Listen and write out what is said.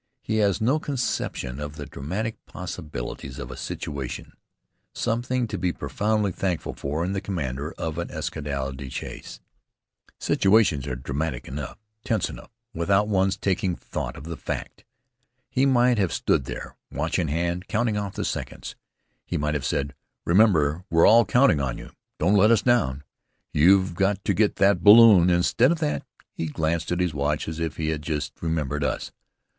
He has no conception of the dramatic possibilities of a situation something to be profoundly thankful for in the commander of an escadrille de chasse. Situations are dramatic enough, tense enough, without one's taking thought of the fact. He might have stood there, watch in hand, counting off the seconds. He might have said, "Remember, we're all counting on you. Don't let us down. You've got to get that balloon!" Instead of that, he glanced at his watch as if he had just remembered us.